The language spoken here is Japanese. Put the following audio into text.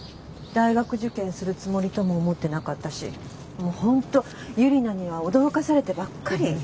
大学受験するつもりとも思ってなかったしもう本当ユリナには驚かされてばっかり。